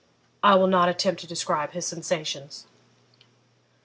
I will not attempt to describe his sensations.